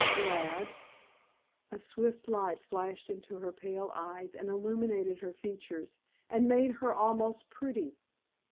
"Glad?" A swift light flashed into her pale eyes and illumined her features, and made her almost pretty.